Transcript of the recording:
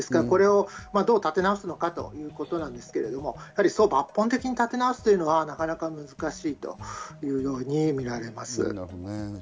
これをどう立て直すのかということなんですけれど、抜本的に立て直すというのはなかなか難しいというように見られます。